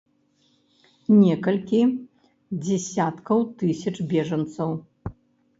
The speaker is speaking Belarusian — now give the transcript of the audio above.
Некалькі дзесяткаў тысяч бежанцаў.